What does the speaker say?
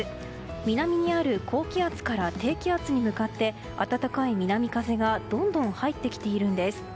南にある高気圧から低気圧に向かって暖かい南風がどんどん入ってきているんです。